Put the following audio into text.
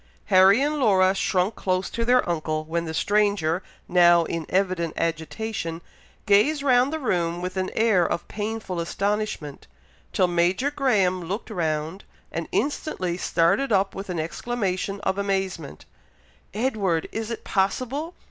Harry and Laura shrunk close to their uncle, when the stranger, now in evident agitation, gazed round the room with an air of painful astonishment, till Major Graham looked round, and instantly started up with an exclamation of amazement, "Edward! is it possible!